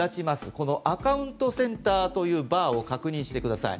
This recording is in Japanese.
このアカウントセンターというバーを確認してください。